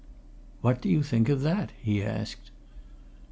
"What do you think of that?" he asked.